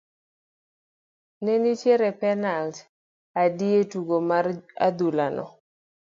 Ne nitie penalt adi e tugo mar adhula no?